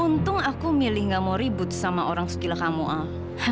untung aku milih gak mau ribut sama orang sekila kamu al